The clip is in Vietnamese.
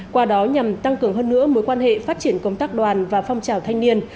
qua đó nhằm tăng cường hơn nữa mối quan hệ phát triển công tác đoàn và phong trào thanh niên